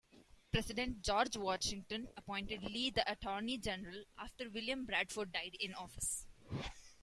President George Washington appointed Lee the Attorney General after William Bradford died in office.